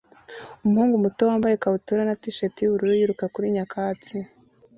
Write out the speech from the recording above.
Umuhungu muto wambaye ikabutura na t-shirt yubururu yiruka kuri nyakatsi